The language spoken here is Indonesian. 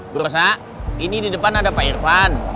berusaha ini di depan ada pak irfan